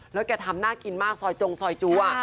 แล้วแกทำน่ากินมากซอยจงซอยจัว